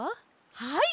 はい！